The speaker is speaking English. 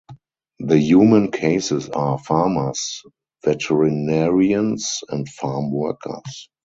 The human cases are: farmers, veterinarians and farm workers.